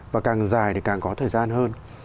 và càng dài thì càng có thời gian hơn